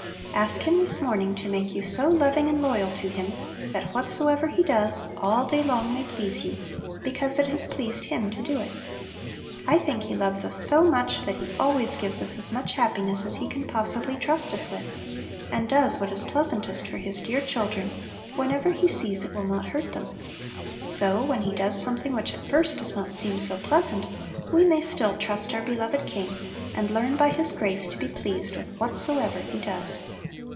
Ask Him this morning to make you so loving and loyal to Him, that whatsoever He does, all day long, may please you, because it has pleased Him to do it. I think He loves us so much, that He always gives us as much happiness as He can possibly trust us with, and does what is pleasantest for His dear children whenever He sees it will not hurt them; so, when He does something which at first does not seem so pleasant, we may still trust our beloved King, and learn by His grace to be pleased with whatsoever He does.